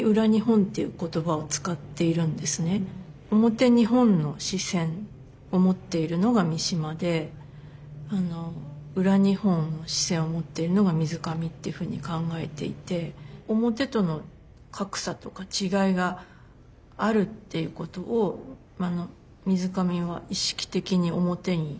「表日本」の視線を持っているのが三島で「裏日本」の視線を持っているのが水上っていうふうに考えていて表との格差とか違いがあるっていうことを水上は意識的に表に出していて。